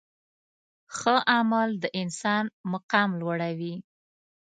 ښه عمل د انسان مقام لوړوي.